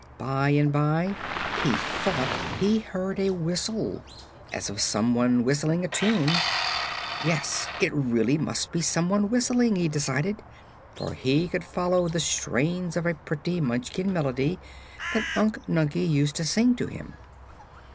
By and by he thought he heard a whistle, as of some one whistling a tune. Yes; it really must be some one whistling, he decided, for he could follow the strains of a pretty Munchkin melody that Unc Nunkie used to sing to him.